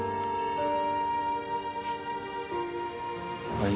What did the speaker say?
はい